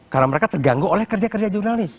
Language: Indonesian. karena mereka terganggu oleh kerja kerja jurnalis